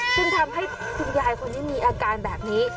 ซึ่งทำให้คุณยายคนนี้มีอาการแบบนี้